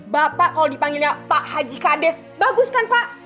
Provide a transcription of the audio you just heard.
bapak kalau dipanggilnya pak haji kades bagus kan pak